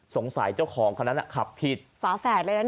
สงสัยเจ้าของคนนั้นขับผิดฝาแฝดเลยนะฝาแฝด